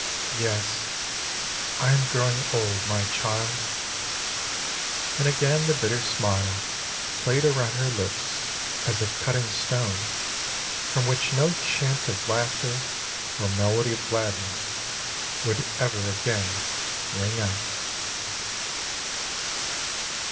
'' "Yes, I am growing old, my child," and again the bitter smile played around her lips as if cut in stone, from which no chant of laughter or melody of gladness would ever again ring out.